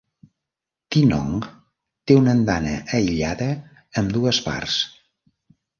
Tynong té una andana aïllada amb dues parts.